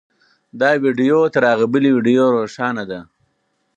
دا ویډیو تر هغې بلې ویډیو روښانه ده.